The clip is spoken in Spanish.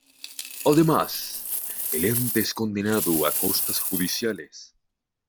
Además, el ente es condenado a costas judiciales.